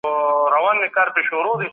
ماشومان د ټولنې راتلونکی دي.